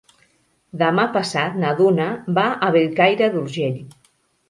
Demà passat na Duna va a Bellcaire d'Urgell.